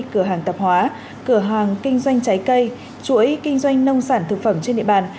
cửa hàng tạp hóa cửa hàng kinh doanh trái cây chuỗi kinh doanh nông sản thực phẩm trên địa bàn